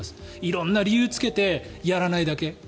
色んな理由をつけてやらないだけ。